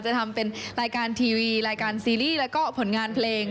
จะทำเป็นรายการทีวีรายการซีรีส์แล้วก็ผลงานเพลง